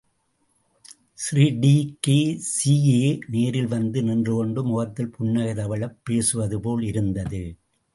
ஸ்ரீடி.கே.சியே நேரில் வந்து நின்று கொண்டு முகத்தில் புன்னகை தவழப் பேசுவதுபோல் இருந்தது.